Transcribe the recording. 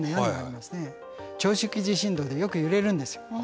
長周期地震動でよく揺れるんですよ。